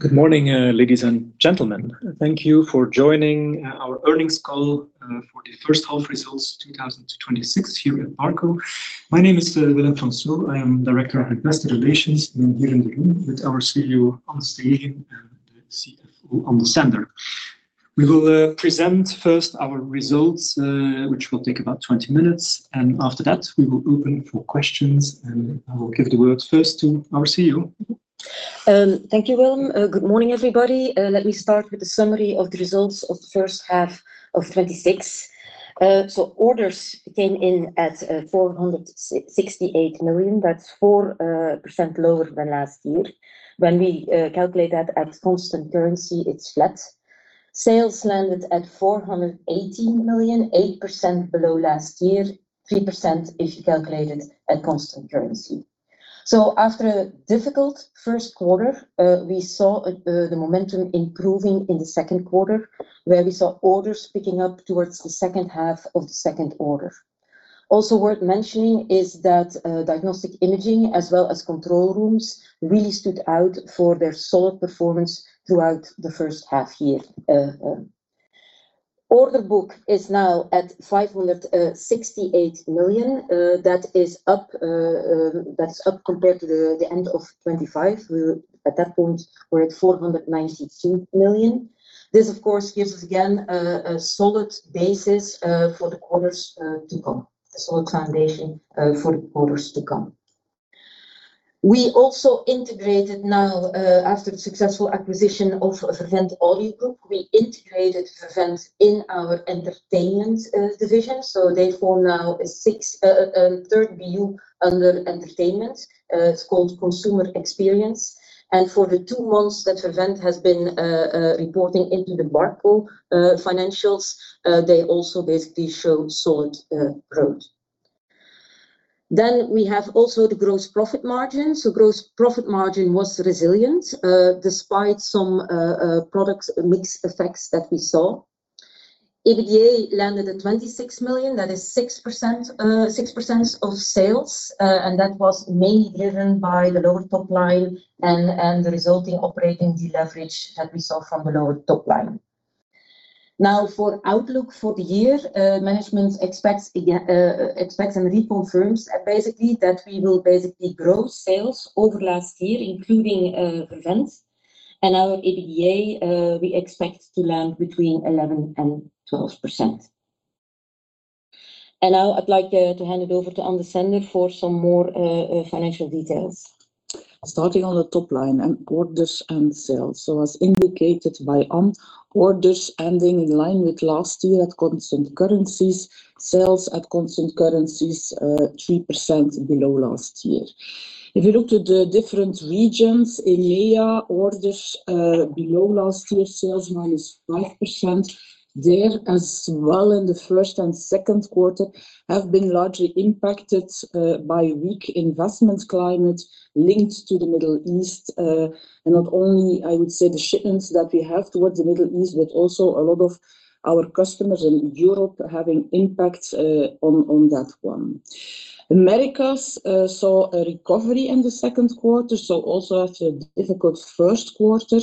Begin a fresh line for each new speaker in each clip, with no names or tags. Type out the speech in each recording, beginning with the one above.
Good morning, ladies and gentlemen. Thank you for joining our earnings call for the first half results 2026 here at Barco. My name is Willem Fransoo. I am Director of Investor Relations, and I'm here in the room with our CEO, An Steegen, and the CFO, Ann Desender. We will present first our results, which will take about 20 minutes. After that, we will open for questions. I will give the word first to our CEO.
Thank you, Willem. Good morning, everybody. Let me start with a summary of the results of the first half of 2026. Orders came in at 468 million. That's 4% lower than last year. When we calculate that at constant currency, it's flat. Sales landed at 418 million, 8% below last year, 3% if you calculate it at constant currency. After a difficult first quarter, we saw the momentum improving in the second quarter, where we saw orders picking up towards the second half of the second quarter. Also worth mentioning is that diagnostic imaging as well as control rooms really stood out for their solid performance throughout the first half year. Order book is now at 568 million. That is up compared to the end of 2025. At that point, we're at 492 million. This, of course, gives us, again, a solid basis for the orders to come. A solid foundation for the orders to come. We also integrated now, after the successful acquisition of VerVent Audio Holding, we integrated VerVent in our entertainment division. They form now a third BU under entertainment. It's called consumer experience. For the two months that VerVent has been reporting into the Barco financials, they also basically showed solid growth. We have also the gross profit margin. Gross profit margin was resilient despite some product mix effects that we saw. EBITDA landed at 26 million, that is 6% of sales, and that was mainly driven by the lower top line and the resulting operating deleverage that we saw from the lower top line. For outlook for the year, management expects and reconfirms basically that we will basically grow sales over last year, including VerVent. Our EBITDA, we expect to land between 11% and 12%. Now I'd like to hand it over to Ann Desender for some more financial details.
Starting on the top line, orders and sales. As indicated by An, orders ending in line with last year at constant currencies. Sales at constant currencies 3% below last year. If you look to the different regions, EMEA orders below last year, sales -5%. There as well in the first and second quarter have been largely impacted by weak investment climate linked to the Middle East. Not only I would say the shipments that we have towards the Middle East, but also a lot of our customers in Europe having impact on that one. Americas saw a recovery in the second quarter, also after the difficult first quarter.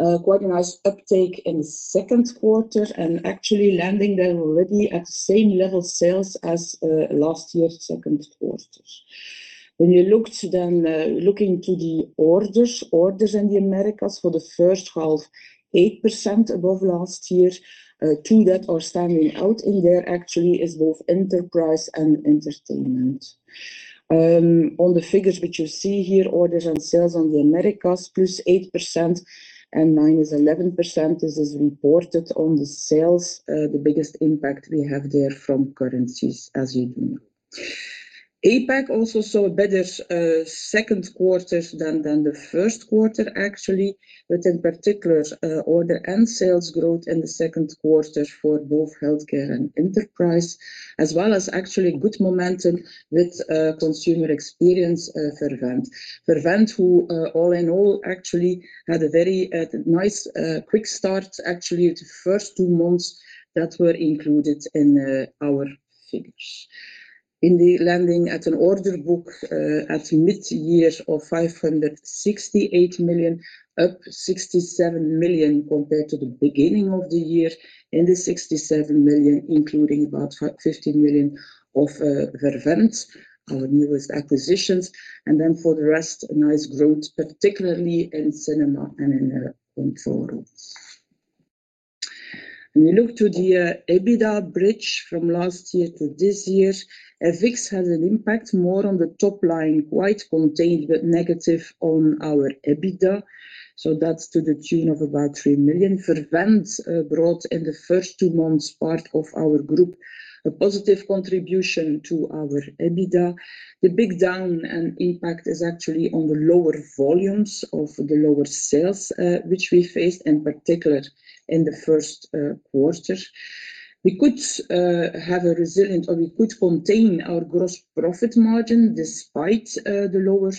Quite a nice uptake in the second quarter, actually landing there already at the same level sales as last year's second quarter. When you look into the orders in the Americas for the first half, 8% above last year. Two that are standing out in there actually is both enterprise and entertainment. On the figures which you see here, orders and sales on the Americas, +8% and -11%. This is reported on the sales. The biggest impact we have there from currencies, as you do know. APAC also saw better second quarter than the first quarter actually, with in particular order and sales growth in the second quarter for both healthcare and enterprise, as well as actually good momentum with consumer experience VerVent. VerVent who all in all, actually, had a very nice quick start actually the first two months that were included in our figures. Landing at an order book at mid-year of 568 million, up 67 million compared to the beginning of the year. In the 67 million, including about 15 million of VerVent, our newest acquisitions. For the rest, a nice growth, particularly in cinema and in control rooms. When you look to the EBITDA bridge from last year to this year, FX had an impact more on the top line, quite contained, but negative on our EBITDA. That's to the tune of about 3 million. VerVent brought in the first two months, part of our group, a positive contribution to our EBITDA. The big down impact is actually on the lower volumes of the lower sales, which we faced in particular in the first quarter. We could have a resilient, or we could contain our gross profit margin despite the lower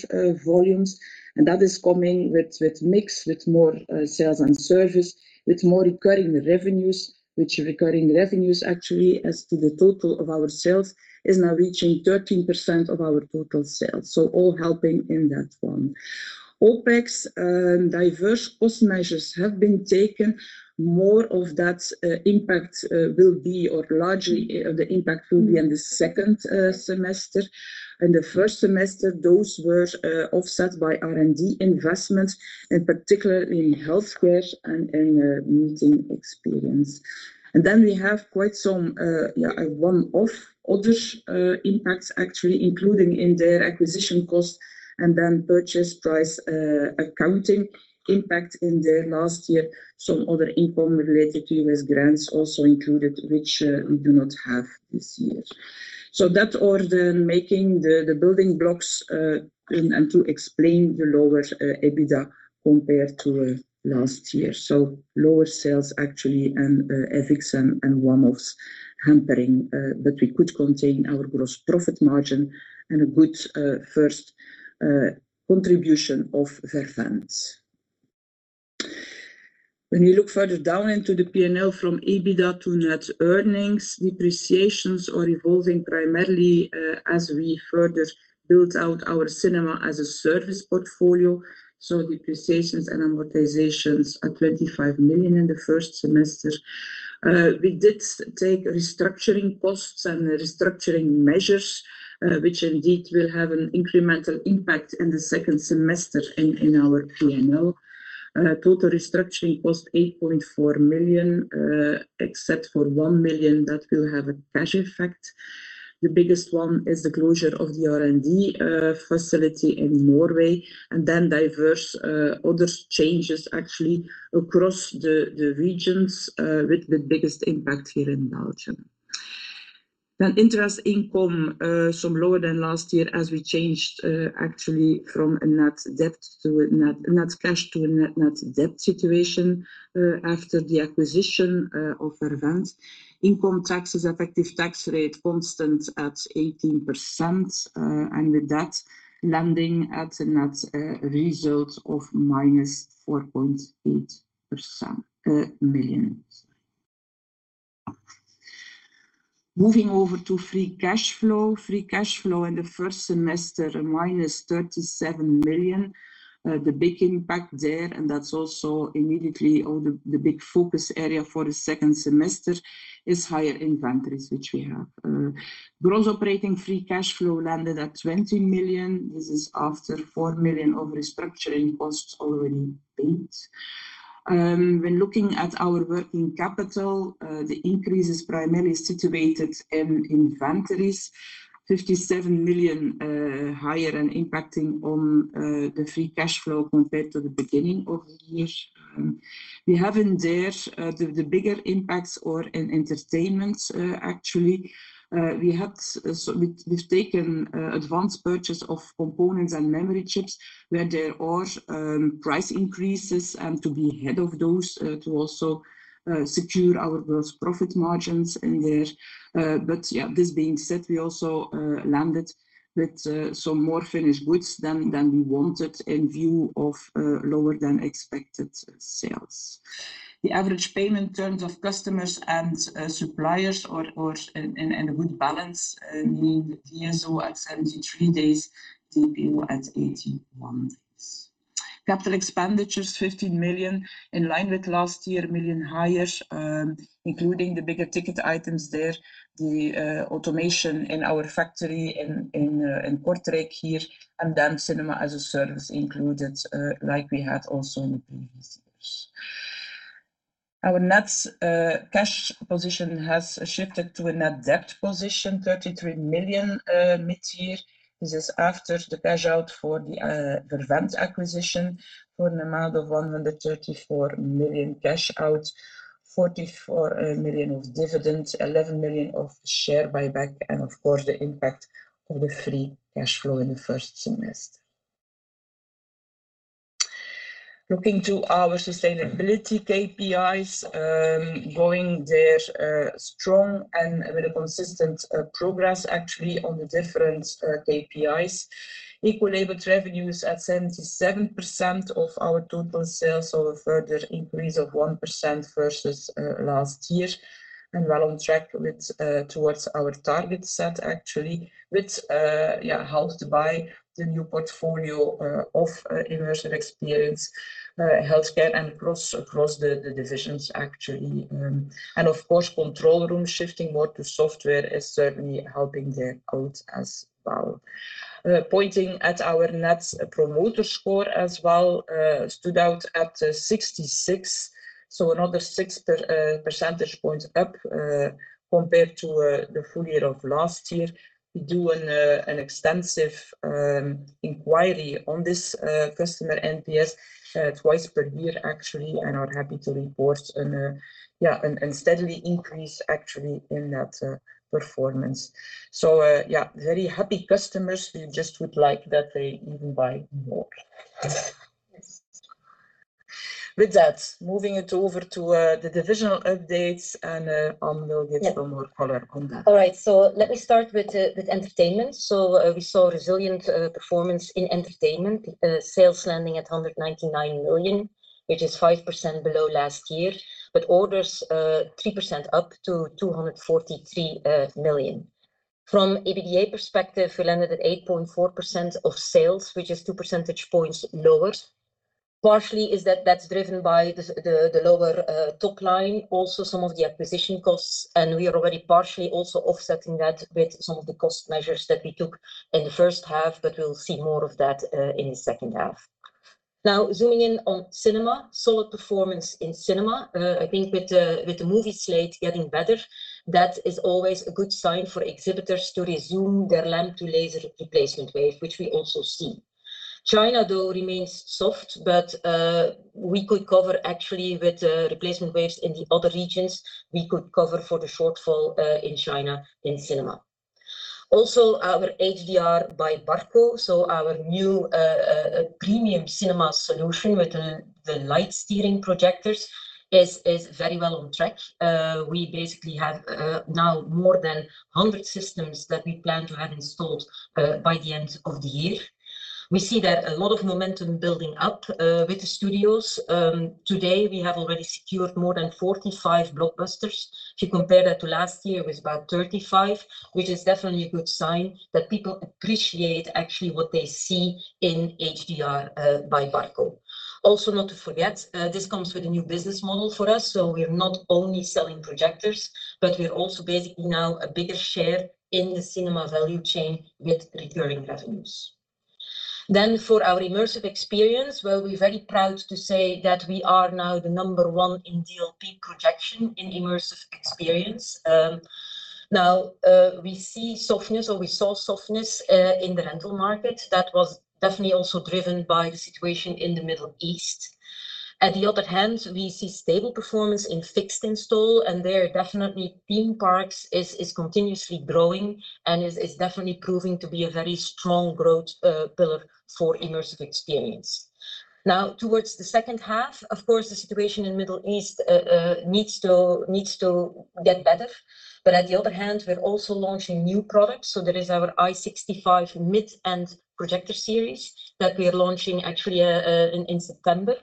volumes, that is coming with mix, with more sales and service, with more recurring revenues. Recurring revenues actually as to the total of our sales is now reaching 13% of our total sales. All helping in that one. OPEX and diverse cost measures have been taken. More of that impact will be, or largely, the impact will be in the second semester. In the first semester, those were offset by R&D investment, particularly in healthcare and in meeting experience. We have quite some one-off orders impacts, including in their acquisition cost and purchase price accounting impact in their last year. Some other income related to U.S. grants also included, which we do not have this year. That order making the building blocks in and to explain the lower EBITDA compared to last year. Lower sales and FX and one-offs hampering. We could contain our gross profit margin and a good first contribution of VerVent. When you look further down into the P&L from EBITDA to net earnings, depreciations are evolving primarily as we further build out our Cinema-as-a-Service portfolio. Depreciations and amortizations are 24 million in the first semester. We did take restructuring costs and restructuring measures, which indeed will have an incremental impact in the second semester in our P&L. Total restructuring cost 8.4 million, except for 1 million that will have a cash effect. The biggest one is the closure of the R&D facility in Norway. Diverse other changes across the regions with the biggest impact here in Belgium. Interest income, some lower than last year as we changed from net cash to a net debt situation after the acquisition of VerVent. Income taxes, effective tax rate constant at 18%. Landing at a net result of -EUR 4.8 million. Moving over to free cash flow. Free cash flow in the first semester, -37 million. The big impact there, and that's also immediately the big focus area for the second semester, is higher inventories, which we have. Gross operating free cash flow landed at 20 million. This is after 4 million of restructuring costs already paid. When looking at our working capital, the increase is primarily situated in inventories, 57 million higher and impacting on the free cash flow compared to the beginning of the year. We have in there the bigger impacts are in entertainment. We've taken advanced purchase of components and memory chips where there are price increases and to be ahead of those to also secure our gross profit margins in there. This being said, we also landed with some more finished goods than we wanted in view of lower than expected sales. The average payment terms of customers and suppliers are in a good balance, meaning DSO at 73 days, DPO at 81 days. Capital expenditures 15 million, in line with last year, 1 million higher, including the bigger ticket items there, the automation in our factory in Kortrijk here. Cinema-as-a-Service included, like we had also in the previous years. Our net cash position has shifted to a net debt position, 33 million mid-year. This is after the cash out for the VerVent acquisition for an amount of 134 million cash out, 44 million of dividends, 11 million of share buyback, the impact of the free cash flow in the first semester. Looking to our sustainability KPIs, going there strong and with a consistent progress on the different KPIs. Eco-labeled revenues at 77% of our total sales, a further increase of 1% versus last year. Well on track towards our target set with House Dubai, the new portfolio of immersive experience, healthcare, and across the divisions. Control room shifting more to software is certainly helping there out as well. Pointing at our Net Promoter Score as well, stood out at 66. Another 6 percentage points up compared to the full year of last year. We do an extensive inquiry on this customer NPS twice per year, and are happy to report a steady increase in that performance. Very happy customers who just would like that they even buy more. Moving it over to the divisional updates, An will give some more color on that.
Let me start with entertainment. We saw resilient performance in entertainment. Sales landing at 199 million, which is 5% below last year. Orders 3% up to 243 million. From an EBITDA perspective, we landed at 8.4% of sales, which is two percentage points lower. Partially, that is driven by the lower top line. Also, some of the acquisition costs, and we are already partially offsetting that with some of the cost measures that we took in the first half, but we will see more of that in the second half. Zooming in on cinema. Solid performance in cinema. I think with the movie slate getting better, that is always a good sign for exhibitors to resume their lamp-to-laser replacement wave, which we also see. China, though, remains soft. With replacement waves in the other regions, we could cover for the shortfall in China in cinema. Our HDR by Barco, our new premium cinema solution with the light-steering projectors, is very well on track. We basically have now more than 100 systems that we plan to have installed by the end of the year. We see that a lot of momentum building up with the studios. Today, we have already secured more than 45 blockbusters. If you compare that to last year with about 35, which is definitely a good sign that people appreciate actually what they see in HDR by Barco. Not to forget, this comes with a new business model for us. We are not only selling projectors, but we are also basically now a bigger share in the cinema value chain with recurring revenues. For our immersive experience, well, we are very proud to say that we are now the number one in DLP projection in immersive experience. We see softness, or we saw softness, in the rental market. That was definitely also driven by the situation in the Middle East. On the other hand, we see stable performance in fixed install, and there definitely theme parks is continuously growing and is definitely proving to be a very strong growth pillar for immersive experience. Towards the second half, of course, the situation in Middle East needs to get better. On the other hand, we are also launching new products. There is our I65 mid-end projector series that we are launching actually in September.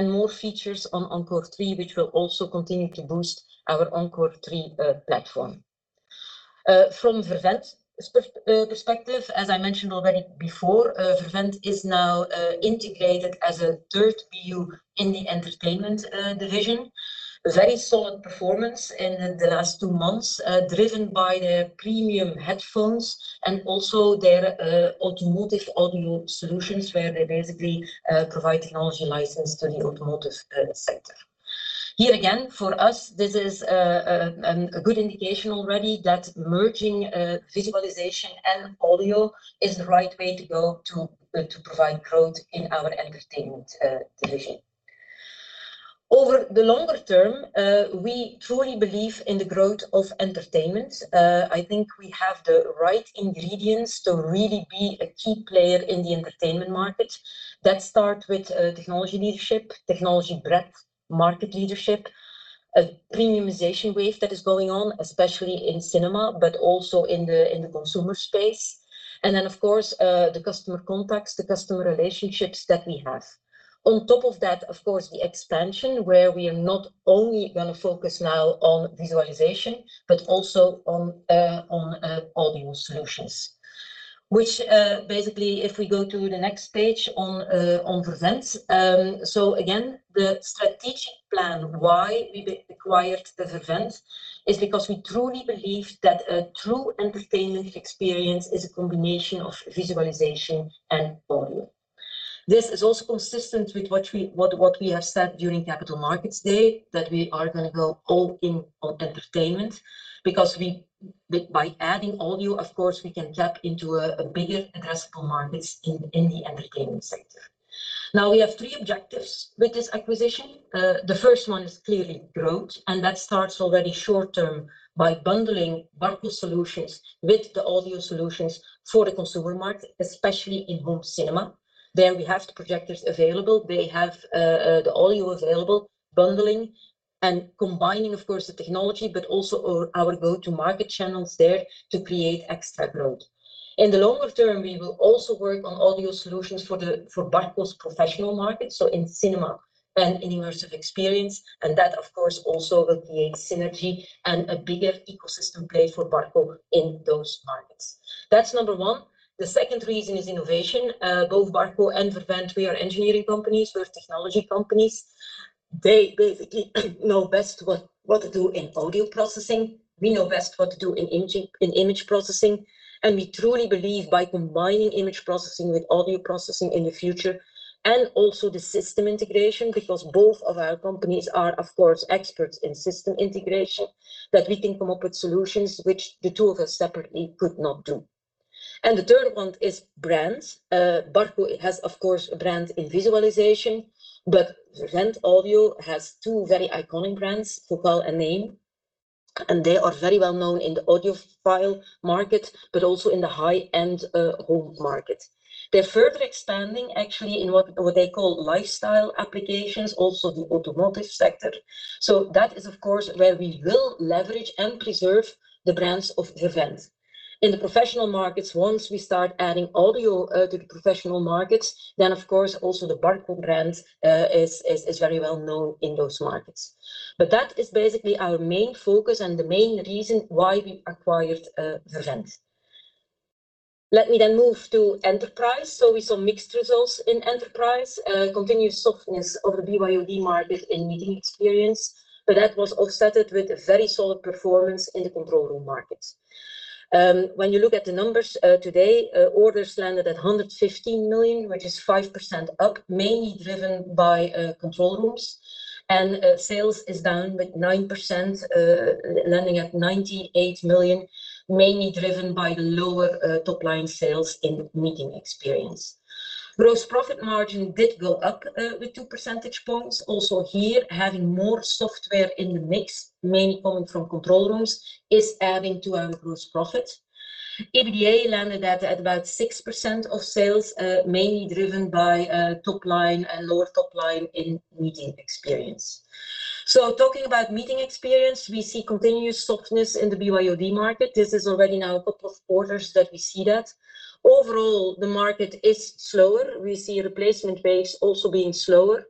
More features on Encore 3, which will also continue to boost our Encore 3 platform. From VerVent's perspective, as I mentioned already before, VerVent is now integrated as a third BU in the entertainment division. Very solid performance in the last two months, driven by their premium headphones and also their automotive audio solutions, where they basically provide technology license to the automotive sector. Here again, for us, this is a good indication already that merging visualization and audio is the right way to go to provide growth in our entertainment division. Over the longer term, we truly believe in the growth of entertainment. I think we have the right ingredients to really be a key player in the entertainment market. That starts with technology leadership, technology breadth, market leadership, a premiumization wave that is going on, especially in cinema, but also in the consumer space. Then, of course, the customer contacts, the customer relationships that we have. On top of that, of course, the expansion, where we are not only going to focus now on visualization but also on audio solutions. If we go to the next page on VerVent. Again, the strategic plan, why we acquired VerVent, is because we truly believe that a true entertainment experience is a combination of visualization and audio. This is also consistent with what we have said during Capital Markets Day, that we are going to go all in on entertainment. Because by adding audio, of course, we can tap into a bigger addressable market in the entertainment sector. We have three objectives with this acquisition. The first one is clearly growth, and that starts already short term by bundling Barco solutions with the audio solutions for the consumer market, especially in home cinema. There we have the projectors available. They have the audio available. Bundling and combining, of course, the technology, but also our go-to-market channels there to create extra growth. In the longer term, we will also work on audio solutions for Barco's professional market, so in cinema and in immersive experience. That, of course, also will create synergy and a bigger ecosystem play for Barco in those markets. That's number one. The second reason is innovation. Both Barco and VerVent, we are engineering companies. We're technology companies. They basically know best what to do in audio processing. We know best what to do in image processing. We truly believe by combining image processing with audio processing in the future, and also the system integration, because both of our companies are, of course, experts in system integration, that we can come up with solutions which the two of us separately could not do. The third one is brands. Barco has, of course, a brand in visualization, but VerVent Audio has two very iconic brands, Focal and Naim, and they are very well known in the audiophile market, but also in the high-end home market. They're further expanding actually in what they call lifestyle applications, also the automotive sector. That is, of course, where we will leverage and preserve the brands of VerVent. In the professional markets, once we start adding audio to the professional markets, then of course also the Barco brand is very well known in those markets. That is basically our main focus and the main reason why we acquired VerVent. Let me move to enterprise. We saw mixed results in enterprise. Continuous softness of the BYOD market in meeting experience, but that was offset with a very solid performance in the control room market. When you look at the numbers today, orders landed at 115 million, which is 5% up, mainly driven by control rooms. Sales is down with 9%, landing at 98 million, mainly driven by the lower top-line sales in meeting experience. Gross profit margin did go up with 2 percentage points. Also here, having more software in the mix, mainly coming from control rooms, is adding to our gross profit. EBITDA landed at about 6% of sales, mainly driven by top line and lower top line in meeting experience. Talking about meeting experience, we see continuous softness in the BYOD market. This is already now a couple of quarters that we see that. Overall, the market is slower. We see replacement base also being slower.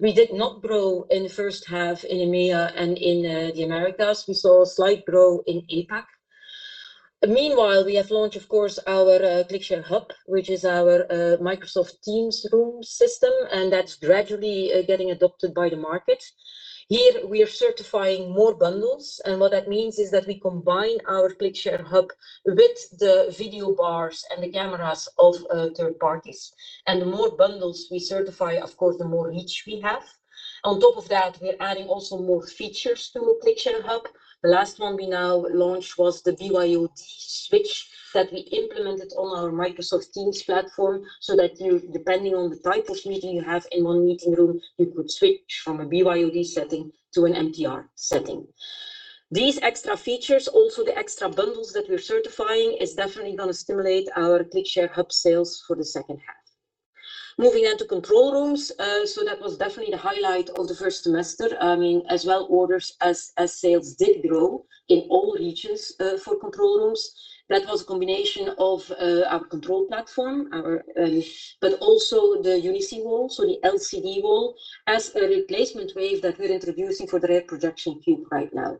We did not grow in the first half in EMEA and in the Americas. We saw a slight growth in APAC. Meanwhile, we have launched, of course, our ClickShare Hub, which is our Microsoft Teams Room system, and that's gradually getting adopted by the market. Here, we are certifying more bundles, and what that means is that we combine our ClickShare Hub with the video bars and the cameras of third parties. The more bundles we certify, of course, the more reach we have. On top of that, we're adding also more features to ClickShare Hub. The last one we now launched was the BYOD switch that we implemented on our Microsoft Teams platform, so that you, depending on the type of meeting you have in one meeting room, you could switch from a BYOD setting to an MTR setting. These extra features, also the extra bundles that we're certifying, is definitely going to stimulate our ClickShare Hub sales for the second half. Moving on to control rooms. That was definitely the highlight of the first semester. As well orders as sales did grow in all regions for control rooms. That was a combination of our control platform, but also the UniSee wall, so the LCD wall, as a replacement wave that we're introducing for the rear-projection cube right now.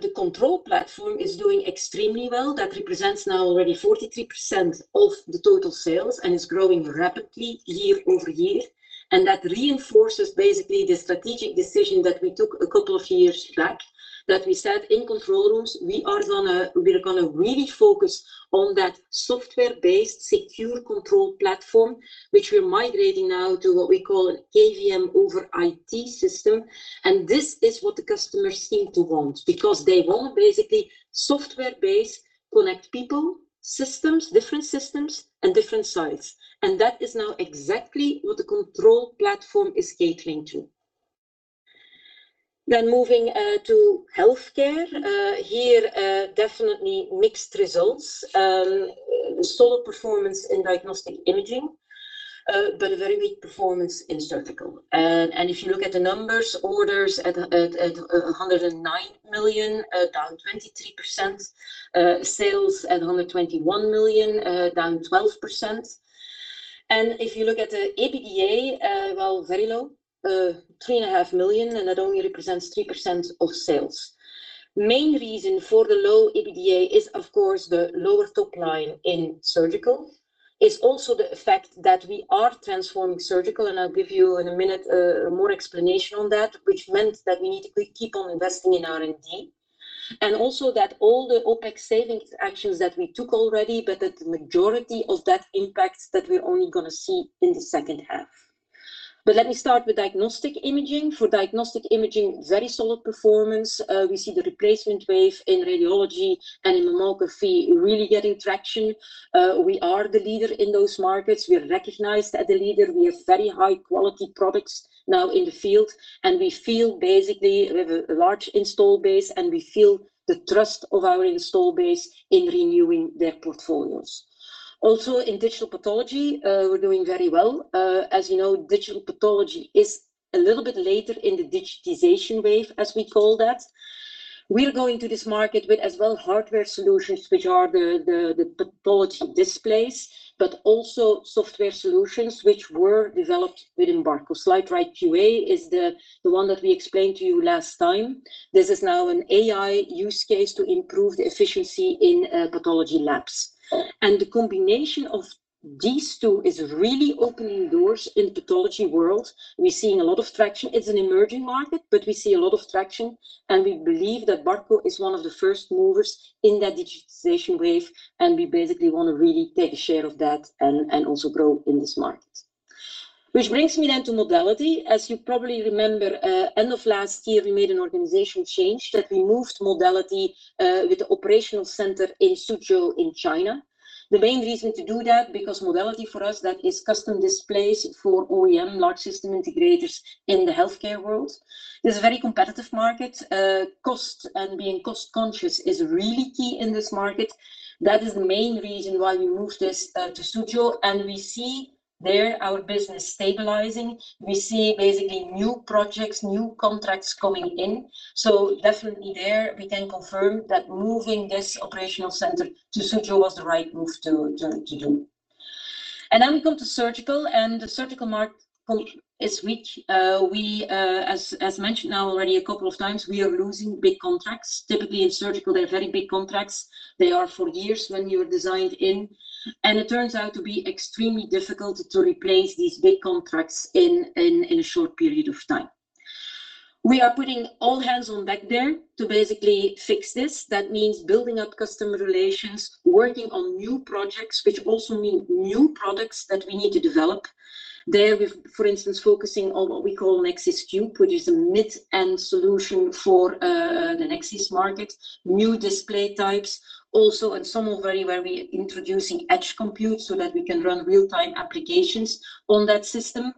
The control platform is doing extremely well. That represents now already 43% of the total sales and is growing rapidly year-over-year. That reinforces basically the strategic decision that we took a couple of years back, that we said in control rooms, we are going to really focus on that software-based secure control platform, which we're migrating now to what we call an KVM over IT system. This is what the customers seem to want, because they want basically software-based, connect people, systems, different systems, and different sites. That is now exactly what the control platform is catering to. Moving to healthcare. Here, definitely mixed results. Solid performance in diagnostic imaging, but a very weak performance in surgical. If you look at the numbers, orders at 109 million, down 23%. Sales at 121 million, down 12%. If you look at the EBITDA, very low. 3.5 million, and that only represents 3% of sales. Main reason for the low EBITDA is of course the lower top line in surgical. It's also the effect that we are transforming surgical, and I'll give you in a minute more explanation on that, which meant that we need to keep on investing in R&D. Also that all the OPEX savings actions that we took already, but that the majority of that impact that we're only going to see in the second half. Let me start with diagnostic imaging. For diagnostic imaging, very solid performance. We see the replacement wave in radiology and in mammography really getting traction. We are the leader in those markets. We are recognized as a leader. We have very high-quality products now in the field, and we have a large install base, and we feel the trust of our install base in renewing their portfolios. Also, in digital pathology, we're doing very well. As you know, digital pathology is a little bit later in the digitization wave, as we call that. We are going to this market with, as well, hardware solutions, which are the pathology displays, but also software solutions, which were developed with Barco. SlideWrite QA is the one that we explained to you last time. This is now an AI use case to improve the efficiency in pathology labs. The combination of these two is really opening doors in pathology world. We're seeing a lot of traction. It's an emerging market, but we see a lot of traction. We believe that Barco is one of the first movers in that digitization wave. We basically want to really take a share of that and also grow in this market. Which brings me then to modality. As you probably remember, end of last year, we made an organization change that we moved modality with the operational center in Suzhou in China. The main reason to do that, because modality for us, that is custom displays for OEM, large system integrators in the healthcare world. It's a very competitive market. Cost and being cost-conscious is really key in this market. That is the main reason why we moved this to Suzhou. We see there our business stabilizing. We see basically new projects, new contracts coming in. Definitely there, we can confirm that moving this operational center to Suzhou was the right move to do. We come to surgical, and the surgical market is weak. As mentioned now already a couple of times, we are losing big contracts. Typically in surgical, they're very big contracts. They are for years when you're designed in, and it turns out to be extremely difficult to replace these big contracts in a short period of time. We are putting all hands on deck there to basically fix this. That means building up customer relations, working on new projects, which also means new products that we need to develop. There, for instance, focusing on what we call Nexxis Cube, which is a mid-end solution for the Nexxis market. New display types. Also, at Summer Valley, where we're introducing edge compute, so that we can run real-time applications on that system.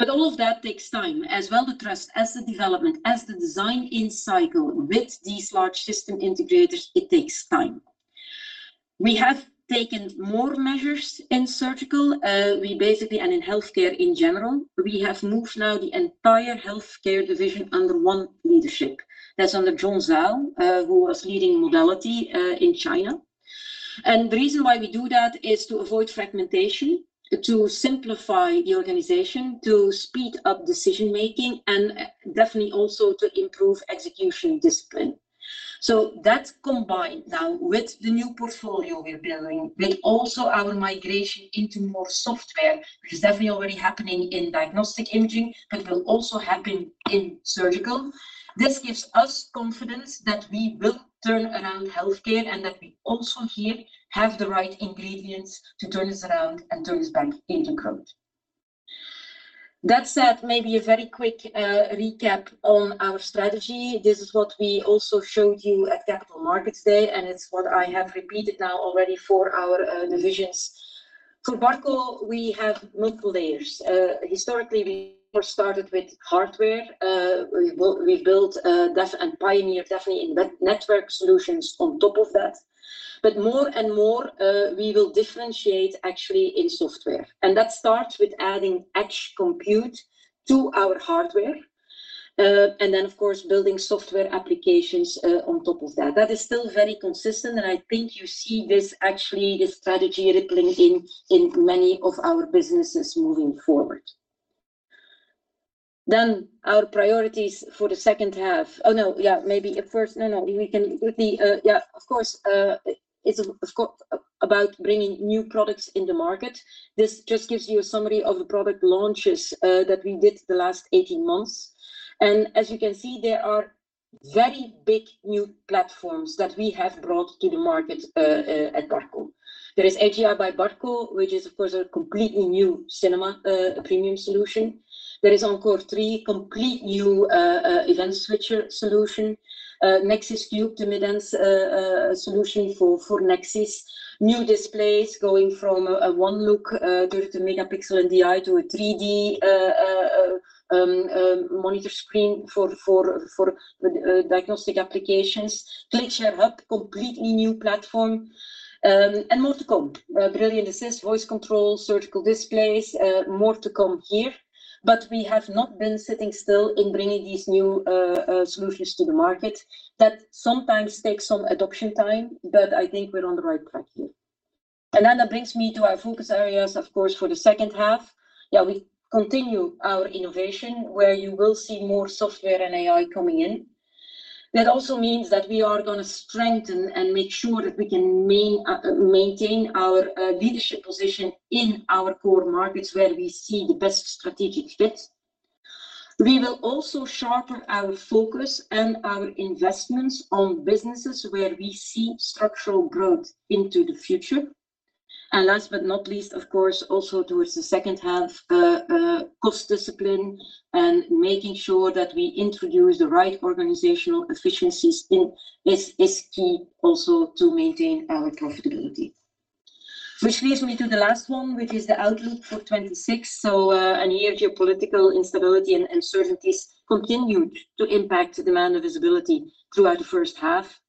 All of that takes time. As well the trust, as the development, as the design in cycle with these large system integrators, it takes time. We have taken more measures in surgical, and in healthcare in general. We have moved now the entire healthcare division under one leadership. That's under John Zhao, who was leading Modality in China. The reason why we do that is to avoid fragmentation, to simplify the organization, to speed up decision making, and definitely also to improve execution discipline. That combined now with the new portfolio we're building, with also our migration into more software, which is definitely already happening in diagnostic imaging, but will also happen in surgical. This gives us confidence that we will turn around healthcare and that we also here have the right ingredients to turn this around and turn this back into growth. That said, maybe a very quick recap on our strategy. This is what we also showed you at Capital Markets Day, and it's what I have repeated now already for our divisions. For Barco, we have multiple layers. Historically, we started with hardware. We built and pioneered definitely in network solutions on top of that. More and more, we will differentiate actually in software. That starts with adding edge compute to our hardware. Then of course, building software applications on top of that. That is still very consistent, and I think you see this actually, this strategy rippling in many of our businesses moving forward. Our priorities for the second half. Oh, no. It's about bringing new products in the market. This just gives you a summary of the product launches that we did the last 18 months. As you can see, there are very big, new platforms that we have brought to the market at Barco. There is HDR by Barco, which is, of course, a completely new cinema premium solution. There is Encore3, complete new event switcher solution. Nexxis Cube, the mid-end solution for Nexxis. New displays going from a Coronis OneLook to a megapixel NDI to a 3D monitor screen for diagnostic applications. ClickShare Hub, completely new platform. More to come. Brilliant Assist, voice control, surgical displays, more to come here. We have not been sitting still in bringing these new solutions to the market. That sometimes takes some adoption time, but I think we're on the right track here. That brings me to our focus areas, of course, for the second half. We continue our innovation, where you will see more software and AI coming in. That also means that we are going to strengthen and make sure that we can maintain our leadership position in our core markets where we see the best strategic fit. We will also sharpen our focus and our investments on businesses where we see structural growth into the future. Last but not least, of course, also towards the second half, cost discipline and making sure that we introduce the right organizational efficiencies is key also to maintain our profitability. Which leads me to the last one, which is the outlook for 2026. An year geopolitical instability and uncertainties continued to impact demand and visibility throughout the first half.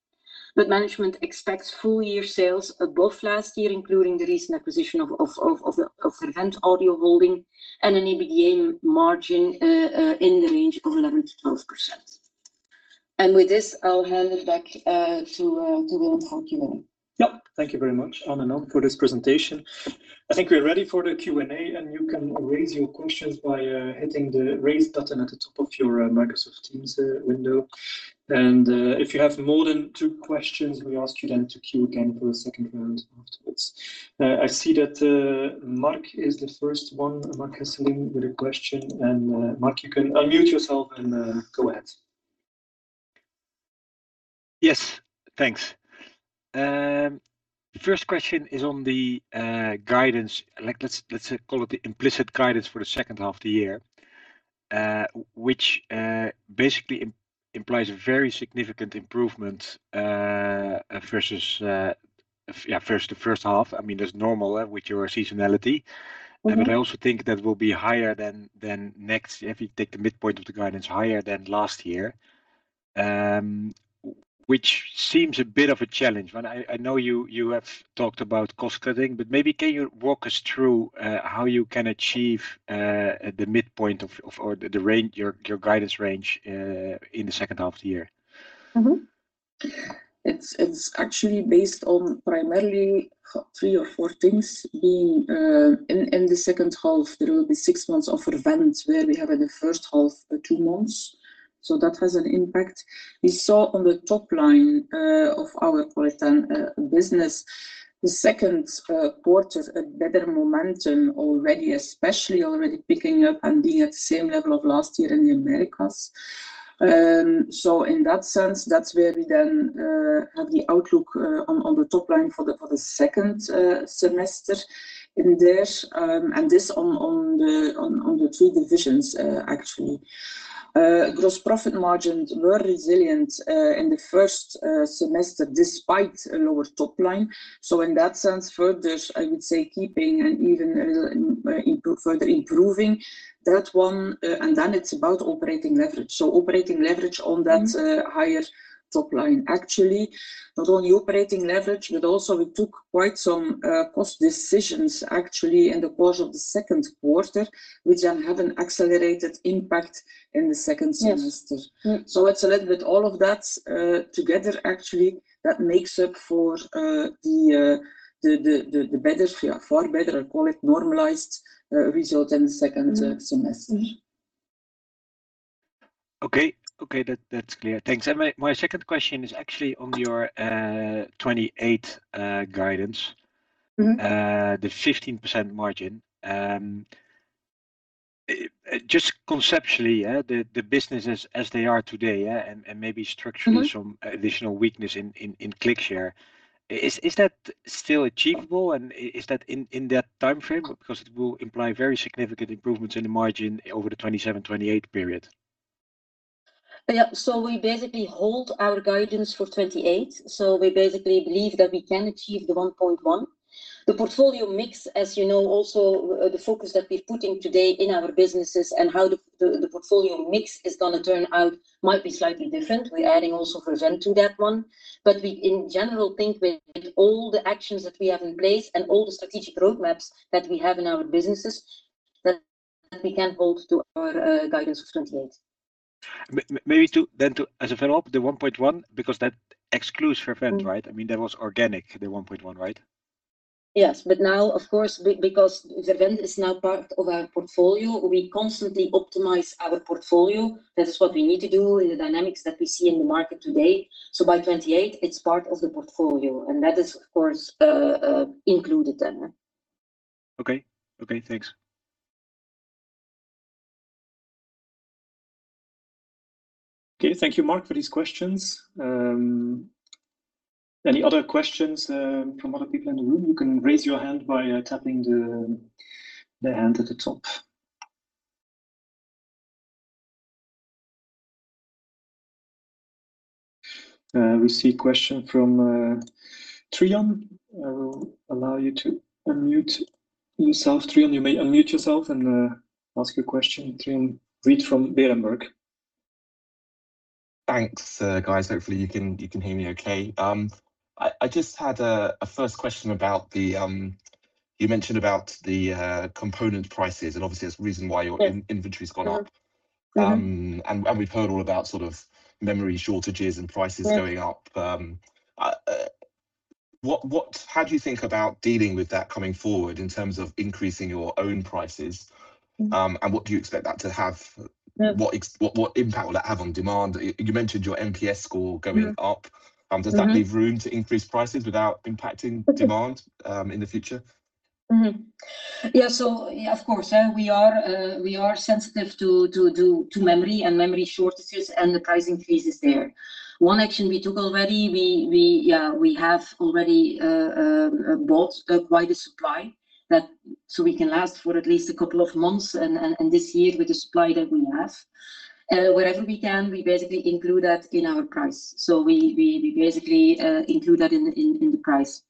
Management expects full year sales above last year, including the recent acquisition of VerVent Audio Holding and an EBITDA margin in the range of 11%-12%. With this, I'll hand it back to Willem for Q&A.
Thank you very much, An and Ann, for this presentation. I think we're ready for the Q&A, and you can raise your questions by hitting the raise button at the top of your Microsoft Teams window. If you have more than two questions, we ask you then to queue again for a second round afterwards. I see that Marc is the first one. Marc Hesselink with a question, Marc, you can unmute yourself and go ahead.
Yes. Thanks. The first question is on the guidance. Let's call it the implicit guidance for the second half of the year, which basically implies a very significant improvement versus the first half. There's normal with your seasonality. I also think that will be higher than next, if you take the midpoint of the guidance, higher than last year, which seems a bit of a challenge. I know you have talked about cost cutting, maybe can you walk us through how you can achieve the midpoint of your guidance range in the second half of the year?
It's actually based on primarily three or four things. Being in the second half, there will be six months of VerVent where we have in the first half two months, that has an impact. We saw on the top line of our Polytan business the second quarter a better momentum already, especially already picking up and being at the same level of last year in the Americas. In that sense, that's where we then have the outlook on the top line for the second semester in there. This on the two divisions, actually. Gross profit margins were resilient in the first semester despite a lower top line. In that sense further, I would say keeping and even a little further improving that one, it's about operating leverage. Operating leverage on that higher top line, actually, not only operating leverage, we took quite some cost decisions actually in the course of the second quarter, which then have an accelerated impact in the second semester.
Yes.
It's a little bit all of that together, actually, that makes up for the far better, I call it normalized result in the second semester.
Okay. That's clear. Thanks. My second question is actually on your 2028 guidance. The 15% margin. Just conceptually, the businesses as they are today, and maybe structurally some additional weakness in ClickShare, is that still achievable and is that in that timeframe? Because it will imply very significant improvements in the margin over the 2027, 2028 period.
Yeah. We basically hold our guidance for 2028. We basically believe that we can achieve the 1.1 billion. The portfolio mix, as you know, also the focus that we're putting today in our businesses and how the portfolio mix is going to turn out might be slightly different. We're adding also VerVent to that one. We, in general, think with all the actions that we have in place and all the strategic roadmaps that we have in our businesses, that we can hold to our guidance of 2028.
Maybe as a follow-up, the 1.1 billion, because that excludes VerVent, right? That was organic, the 1.1 billion, right?
Yes. Now, of course, because VerVent is now part of our portfolio, we constantly optimize our portfolio. That is what we need to do in the dynamics that we see in the market today. By 2028, it is part of the portfolio, and that is, of course, included then.
Okay. Thanks.
Okay. Thank you, Marc, for these questions. Any other questions from other people in the room? You can raise your hand by tapping the hand at the top. We see a question from Trion. I will allow you to unmute yourself, Trion. You may unmute yourself and ask your question. Trion Reid from Berenberg.
Thanks, guys. Hopefully, you can hear me okay. I just had a first question about, you mentioned about the component prices. Obviously, that's the reason why your inventory's gone up. We've heard all about memory shortages and prices going up. How do you think about dealing with that coming forward in terms of increasing your own prices? What impact will that have on demand? You mentioned your NPS score going up. Does that leave room to increase prices without impacting demand in the future?
Mm-hmm. Yeah, of course. We are sensitive to memory and memory shortages and the price increases there. One action we took already, we have already bought quite a supply so we can last for at least a couple of months, and this year with the supply that we have. Wherever we can, we basically include that in our price. We basically include that in the price.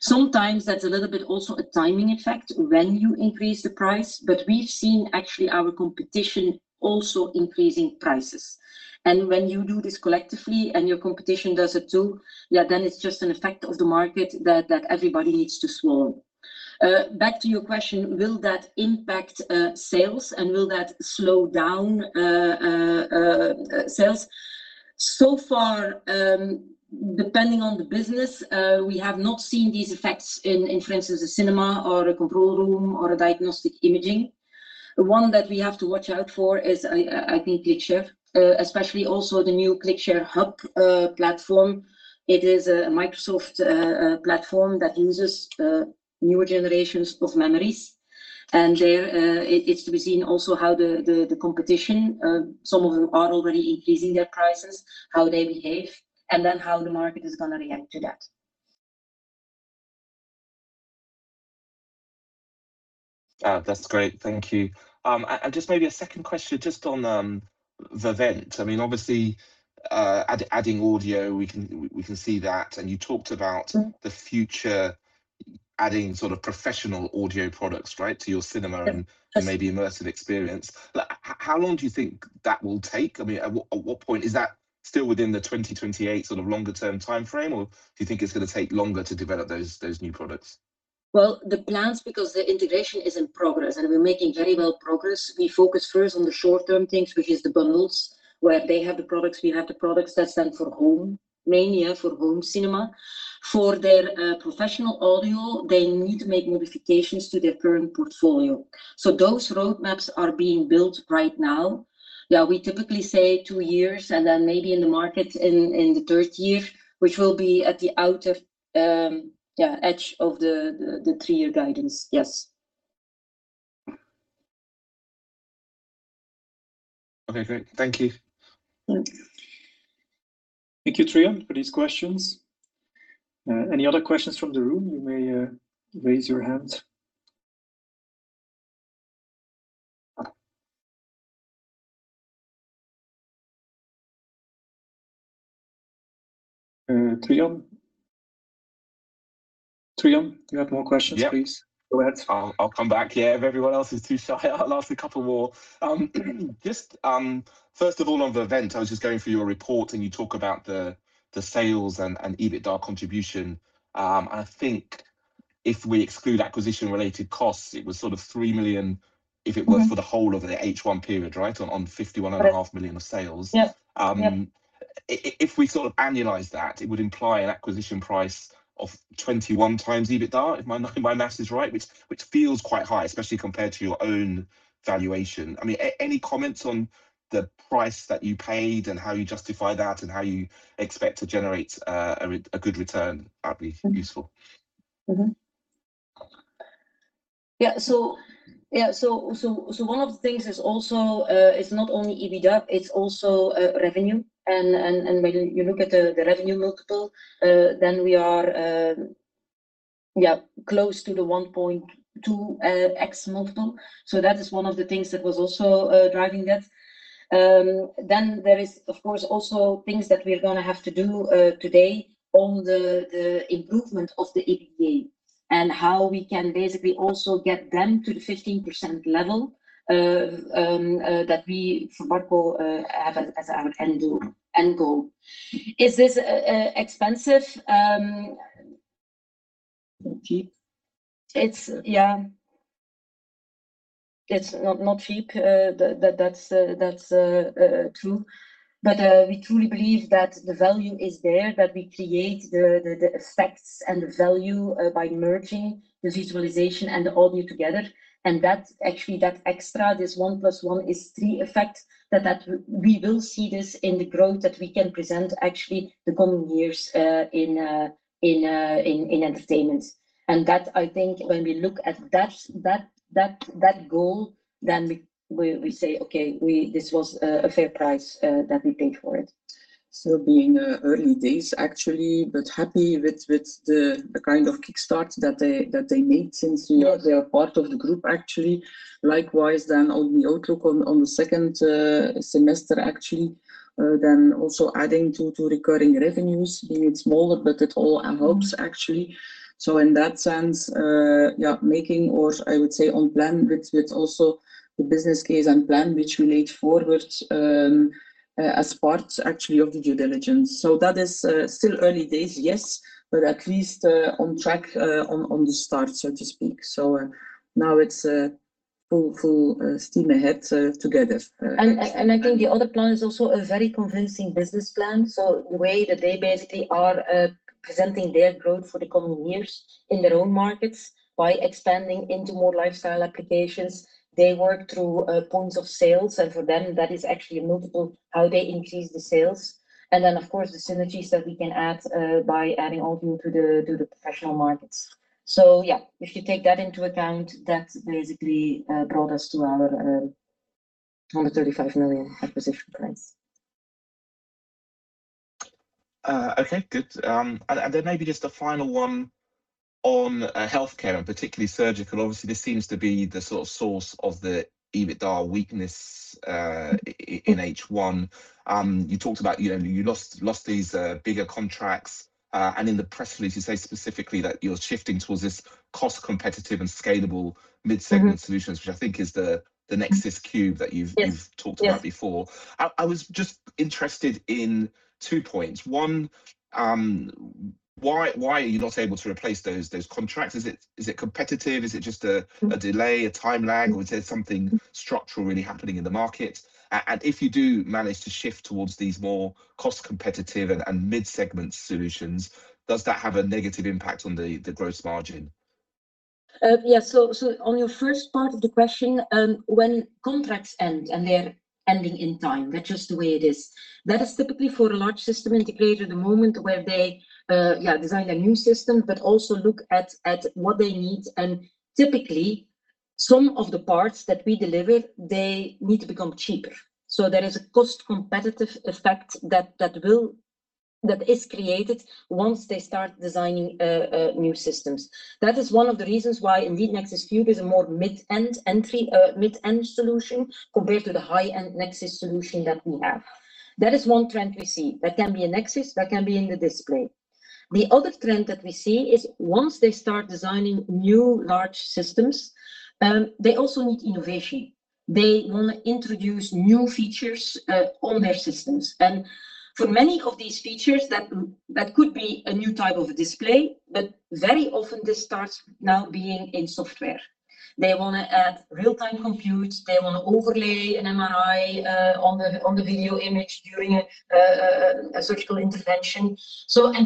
Sometimes that's a little bit also a timing effect when you increase the price, but we've seen actually our competition also increasing prices. When you do this collectively and your competition does it too, then it's just an effect of the market that everybody needs to swallow. Back to your question, will that impact sales and will that slow down sales? So far, depending on the business, we have not seen these effects in, for instance, a cinema or a control room or a diagnostic imaging. One that we have to watch out for is, I think, ClickShare, especially also the new ClickShare Hub platform. It is a Microsoft platform that uses newer generations of memories. There, it's to be seen also how the competition, some of them are already increasing their prices, how they behave, and then how the market is going to react to that.
That's great. Thank you. Just maybe a second question just on VerVent. Obviously, adding audio, we can see that. You talked about the future, adding professional audio products, right, to your cinema and maybe immersive experience. How long do you think that will take? At what point, is that still within the 2028 longer-term timeframe, or do you think it's going to take longer to develop those new products?
The plans, because the integration is in progress, and we're making very well progress. We focus first on the short-term things, which is the bundles, where they have the products, we have the products. That's then for home, mainly, yeah, for home cinema. For their professional audio, they need to make modifications to their current portfolio. Those roadmaps are being built right now. Yeah, we typically say two years, and then maybe in the market in the third year, which will be at the outer edge of the three-year guidance. Yes.
Okay, great. Thank you.
Okay.
Thank you, Trion, for these questions. Any other questions from the room? You may raise your hand. Trion? Trion, do you have more questions, please?
Yep.
Go ahead.
I'll come back. Yeah, if everyone else is too shy, I'll ask a couple more. First of all, on the event, I was just going through your report, and you talk about the sales and EBITDA contribution. I think if we exclude acquisition-related costs, it was sort of 3 million if it were for the whole of the H1 period, right? On 51.5 million of sales.
Yep.
If we annualize that, it would imply an acquisition price of 21x EBITDA, if my math is right, which feels quite high, especially compared to your own valuation. Any comments on the price that you paid and how you justify that and how you expect to generate a good return that'd be useful.
One of the things is also, it's not only EBITDA, it's also revenue. When you look at the revenue multiple, we are close to the 1.2x multiple. That is one of the things that was also driving that. There is, of course, also things that we're going to have to do today on the improvement of the EBITDA and how we can basically also get them to the 15% level that we, for Barco, have as our end goal. Is this expensive?
Cheap?
It's not cheap, that's true. We truly believe that the value is there, that we create the effects and the value by merging the visualization and the audio together. Actually, that extra, this one plus one is three effect, that we will see this in the growth that we can present, actually, the coming years in entertainment. That, I think, when we look at that goal, we say, "Okay, this was a fair price that we paid for it.
Still being early days, actually, but happy with the kind of kickstart that they made since they are part of the group, actually. Likewise, on the outlook on the second semester, actually, also adding to recurring revenues, being smaller, but it all helps, actually. In that sense, yeah, making, or I would say, on plan with also the business case and plan which we laid forward as part, actually, of the due diligence. That is still early days, yes, but at least on track on the start, so to speak. Now it's full steam ahead together.
I think the other plan is also a very convincing business plan. The way that they basically are presenting their growth for the coming years in their own markets, by expanding into more lifestyle applications. They work through points of sales. For them, that is actually a multiple, how they increase the sales. Of course, the synergies that we can add by adding all new to the professional markets. Yeah, if you take that into account, that basically brought us to our 135 million acquisition price.
Okay, good. Maybe just a final one on healthcare, and particularly surgical. Obviously, this seems to be the sort of source of the EBITDA weakness in H1. You talked about you lost these bigger contracts. In the press release, you say specifically that you're shifting towards this cost-competitive and scalable mid-segment solutions, which I think is the Nexxis Cube that you've talked about before.
Yes.
I was just interested in two points. One, why are you not able to replace those contracts? Is it competitive? Is it just a delay, a time lag, or is there something structural really happening in the market? If you do manage to shift towards these more cost-competitive and mid-segment solutions, does that have a negative impact on the gross margin?
Yeah. On your first part of the question, when contracts end, and they're ending in time, that's just the way it is. That is typically, for a large system integrator, the moment where they design a new system, but also look at what they need. Typically, some of the parts that we deliver, they need to become cheaper. There is a cost-competitive effect that is created once they start designing new systems. That is one of the reasons why indeed Nexxis cube is a more mid-end solution compared to the high-end Nexxis solution that we have. That is one trend we see. That can be in Nexxis, that can be in the display. The other trend that we see is once they start designing new large systems, they also need innovation. They want to introduce new features on their systems. For many of these features, that could be a new type of display, but very often this starts now being in software. They want to add real-time compute. They want to overlay an MRI on the video image during a surgical intervention.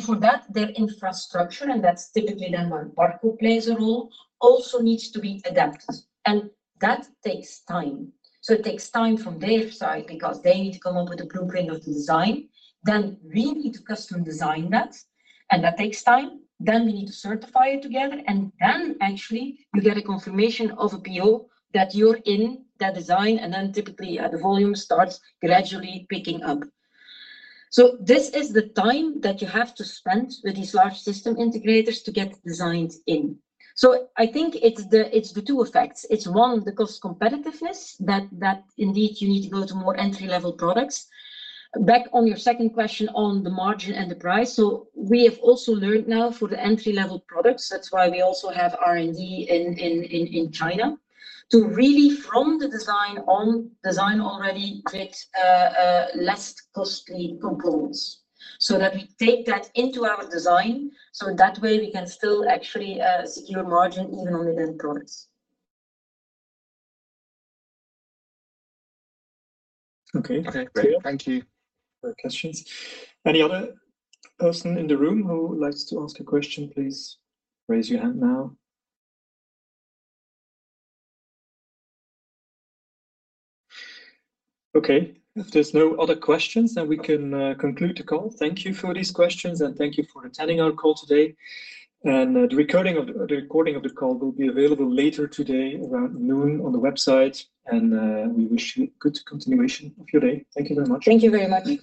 For that, their infrastructure, and that's typically then where Barco plays a role, also needs to be adapted, and that takes time. It takes time from their side because they need to come up with a blueprint of the design, then we need to custom design that, and that takes time. Then we need to certify it together, and then actually you get a confirmation of a PO that you're in that design. Typically, the volume starts gradually picking up. This is the time that you have to spend with these large system integrators to get designs in. I think it's the two effects. It's one, the cost competitiveness that indeed you need to go to more entry-level products. Back on your second question on the margin and the price. We have also learned now for the entry-level products, that's why we also have R&D in China, to really, from the design already get less costly components so that we take that into our design, so that way we can still actually secure margin even on the end products.
Okay.
Okay, great. Thank you.
More questions? Any other person in the room who likes to ask a question, please raise your hand now. Okay. If there's no other questions, we can conclude the call. Thank you for these questions, thank you for attending our call today. The recording of the call will be available later today around noon on the website. We wish you good continuation of your day. Thank you very much.
Thank you very much.